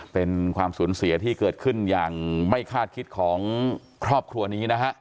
เป็นความสูญเสียที่เกิดขึ้นอย่างไม่คาดคิดของครอบครัวนี้นะฮะ